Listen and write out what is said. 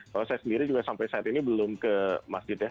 kalau saya sendiri juga sampai saat ini belum ke masjid ya